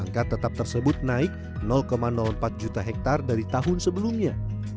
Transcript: angka tetap tersebut naik empat juta hektare dari tahun sebelumnya